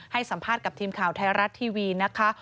ให้สัมภาษณ์กับทีมข่าวไทยรัฐทีวีนะคะ